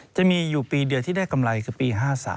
จะมีอยู่ปีเดียวที่ได้กำไรคือปี๕๓